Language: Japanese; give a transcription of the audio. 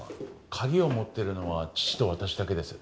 鍵を持ってるのは父と私だけです